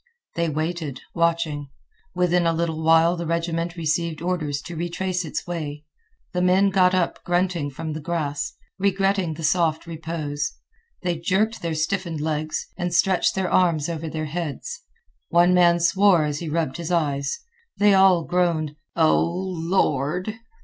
They waited, watching. Within a little while the regiment received orders to retrace its way. The men got up grunting from the grass, regretting the soft repose. They jerked their stiffened legs, and stretched their arms over their heads. One man swore as he rubbed his eyes. They all groaned "O Lord!"